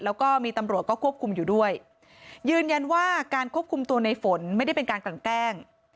แล้วก็มีตำรวจก็ควบคุมอยู่ด้วยยืนยันว่าการควบคุมตัวในฝนไม่ได้เป็นการกลั่นแกล้ง